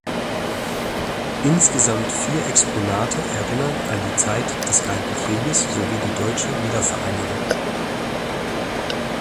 Insgesamt vier Exponate erinnern an die Zeit des Kalten Krieges sowie die Deutsche Wiedervereinigung.